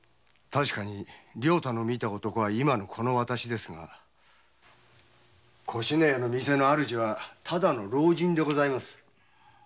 確かに良太の見た男は今のこの私ですが越乃屋の店の主人はただの老人でございます。